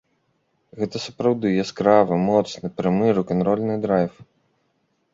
Гэта сапраўдны яскравы, моцны, прамы рок-н-рольны драйв.